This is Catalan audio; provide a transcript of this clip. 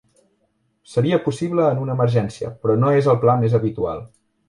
Seria possible en una emergència, però no és el pla més habitual.